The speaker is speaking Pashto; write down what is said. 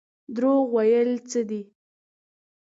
دروغ ویل څه دي؟